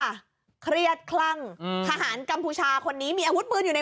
เครียดคลั่งอืมทหารกัมพูชาคนนี้มีอาวุธปืนอยู่ใน